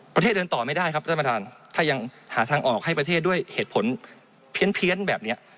ประเทศเดินต่อไม่ได้ครับท่านประธานถ้ายังหาทางออกให้ประเทศด้วยเหตุผลเพี้ยนแบบนี้